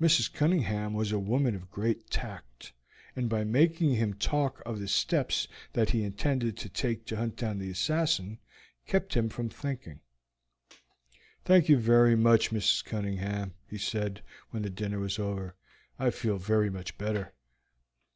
Mrs. Cunningham was a woman of great tact, and by making him talk of the steps that he intended to take to hunt down the assassin, kept him from thinking. "Thank you very much, Mrs. Cunningham," he said, when the dinner was over. "I feel very much better."